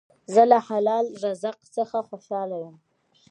زه له حلال رزق سره خوشحاله یم.